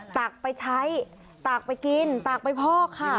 ตักไปใช้ตักไปกินตักไปพอกค่ะ